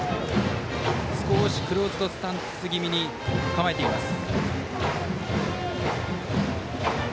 クローズドスタンス気味に構えています。